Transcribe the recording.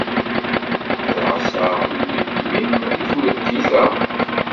Ad ɛasseɣ memmi-m deg tameddit-a.